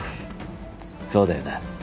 そうだよな。